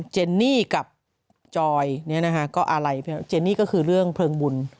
เจนนี่กับจอยก็อะไรเจนี่ก็คือเรื่องเพลิงบุญ